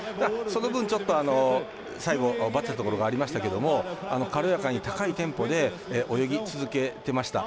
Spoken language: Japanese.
その分、ちょっと最後バテたところがありましたけど軽やかに高いテンポで泳ぎ続けてました。